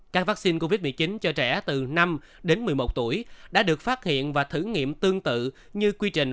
các vaccine covid một mươi chín cho trẻ từ năm đến một mươi một tuổi đã được phát hiện và thử nghiệm tương tự như quy trình